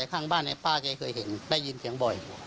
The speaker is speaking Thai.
แต่ข้างบ้านเนี่ยมีป้าเกียงได้ยินเสียงบ่อย